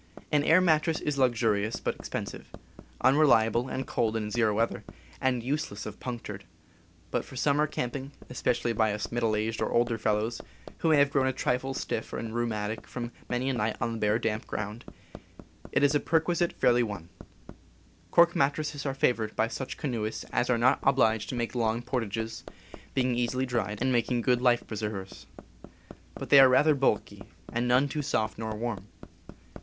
An air mattress is luxurious, but expensive, unreliable and cold in zero weather, and useless if punctured; but for summer camping, especially by us middle aged or older fellows, who may have grown a trifle stiff and rheumatic from many a night on the bare, damp ground, it is a perquisite fairly won. Cork mattresses are favored by such canoe ists as are not obliged to make long portages, being easily dried, and making good life preservers. But they are rather bulky, and none too soft nor warm.